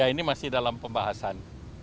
ini masih dalam pembahasan